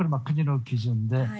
国の基準で。